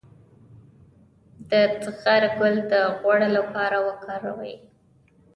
د زغر ګل د غوړ لپاره وکاروئ